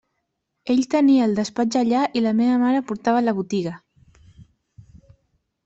Ell tenia el despatx allà i la meva mare portava la botiga.